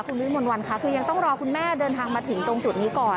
คุณวิมนต์วันค่ะคือยังต้องรอคุณแม่เดินทางมาถึงตรงจุดนี้ก่อน